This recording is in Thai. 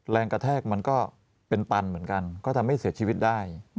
แรงกระแทกมันก็เป็นปันเหมือนกันก็ทำให้เสียชีวิตได้